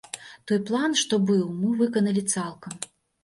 Той план, што быў, мы выканалі цалкам.